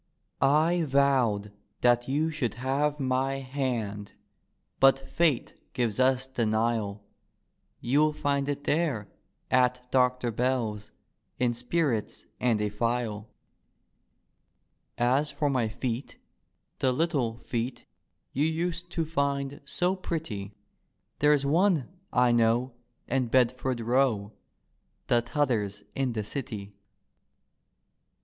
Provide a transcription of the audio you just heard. " I vowed that you should have my hand, But Fate gives us denial; You'll find it there, at Doctor Bell's, In spirits and a phial. " As for my feet, the little feet You used to find so pretty. There's one, I know, in Bedford Row, The T'other's in the City.